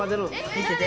見てて。